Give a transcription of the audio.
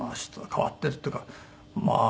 変わってるっていうかまあ。